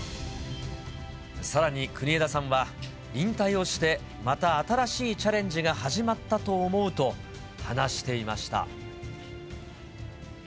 さらに、国枝さんは引退をして、また新しいチャレンジが始まったと思うと話していました。